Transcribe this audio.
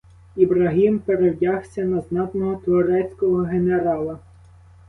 Ібрагім перевдягся на знатного турецького генерала.